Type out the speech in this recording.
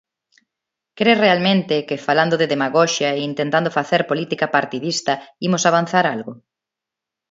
¿Cre realmente que, falando de demagoxia e intentando facer política partidista, imos avanzar algo?